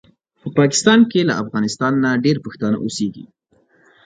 په پاکستان کې له افغانستانه ډېر پښتانه اوسیږي